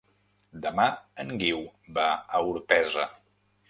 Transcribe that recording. Demà en Guiu va a Orpesa.